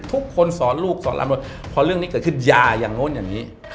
ทุกคนสอนลูกสอนหลานว่าพอเรื่องนี้เกิดขึ้นอย่าอย่างนู้นอย่างนี้